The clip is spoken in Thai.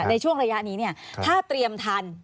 ในช่วงระยะนี้ถ้าเตรียมทัน